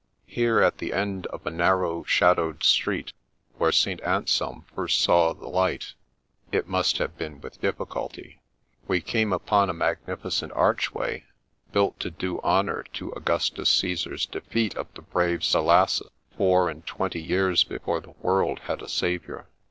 Here, at the end of a nar row, shadowed street, where St. Anselm first saw the light (it must have been with difficulty) we came upon a magnificent archway, built to do honour to Augustus Caesar's defeat of the brave Salasses, four and twenty years before the world had a Saviour.